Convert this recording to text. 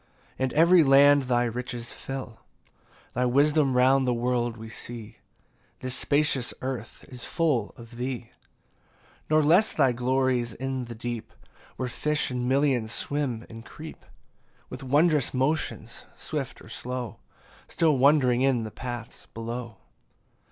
And every land thy riches fill: Thy wisdom round the world we see, This spacious earth is full of thee. 19 Nor less thy glories in the deep, Where fish in millions swim and creep, With wondrous motions, swift or slow, Still wandering in the paths below.